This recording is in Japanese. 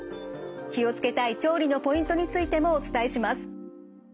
気を付けたい調理のポイントについてもお伝えします。